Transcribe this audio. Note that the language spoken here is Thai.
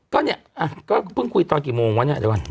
ก็เนี่ยเหรอเจ้าหวันป่ะ